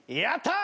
「やったー！」